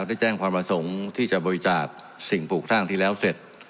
ได้แจ้งความประสงค์ที่จะบริจาคสิ่งปลูกสร้างที่แล้วเสร็จ